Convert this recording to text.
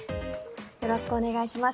よろしくお願いします。